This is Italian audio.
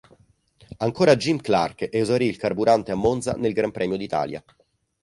Ancora Jim Clark esaurì il carburante a Monza nel Gran Premio d'Italia.